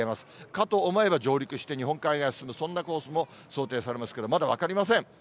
かと思えば、上陸して、日本海側へ進む、そんなコースも想定されますけれども、まだ分かりません。